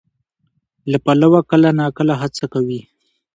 له پلوه کله ناکله هڅه کوي،